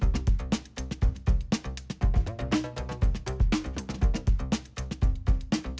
kita coba nanti daftar